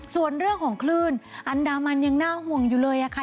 ส่วนเรื่องของคลื่นอันดามันยังน่าห่วงอยู่เลยค่ะ